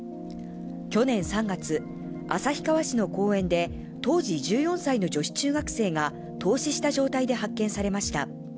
去年３月、旭川市の公園で、当時１４歳の女子中学生が凍死した状態で発見されました。